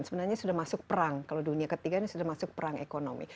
sebenarnya sudah masuk perang kalau dunia ketiga ini sudah masuk perang ekonomi